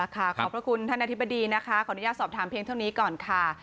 ขอบพระคุณท่านอธิบดีนะคะขออนุญาตสอบถามเพียงเท่านี้ก่อนค่ะ